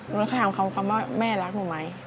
หนูก็ถามเขาคำว่าแม่รักหนูไหม